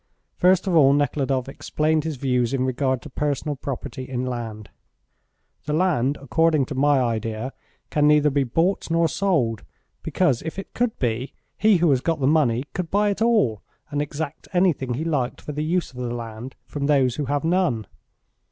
First of all Nekhludoff explained his views in regard to personal property in land. "The land, according to my idea, can neither be bought nor sold, because if it could be, he who has got the money could buy it all, and exact anything he liked for the use of the land from those who have none."